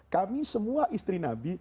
kami semua istri nabi